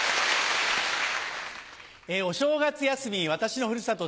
お正月休み私のふるさと